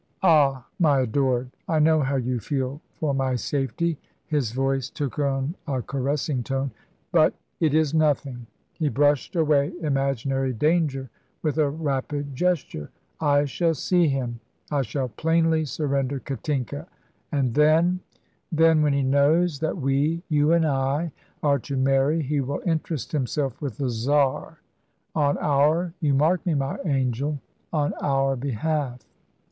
Ah, my adored, I know how you feel for my safety"; his voice took on a caressing tone. "But it is nothing"; he brushed away imaginary danger with a rapid gesture. "I shall see him. I shall plainly surrender Katinka, and then then, when he knows that we you and I are to marry, he will interest himself with the Czar, on our you mark me, my angel on our behalf."